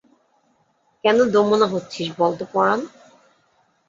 কেন দোমনা হচ্ছিস বল তো পরাণ?